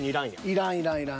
いらんいらんいらん。